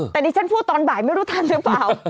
แต่ดิฉันพูดตอนบ่ายไม่รู้ทันหรือเปล่า